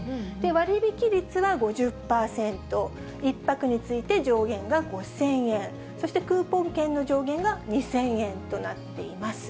割引率は５０％、１泊について上限が５０００円、そしてクーポン券の上限が２０００円となっています。